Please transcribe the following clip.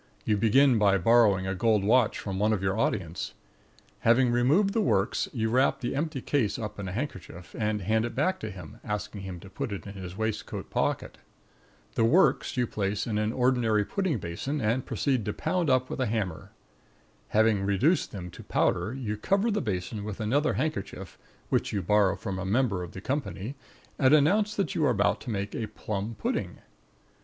You begin by borrowing a gold watch from one of your audience. Having removed the works, you wrap the empty case up in a handkerchief and hand it back to him, asking him to put it in his waistcoat pocket. The works you place in an ordinary pudding basin and proceed to pound up with a hammer. Having reduced them to powder, you cover the basin with another handkerchief, which you borrow from a member of the company, and announce that you are about to make a plum pudding.